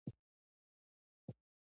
لمسی د ښو خبرو تکرار کوي.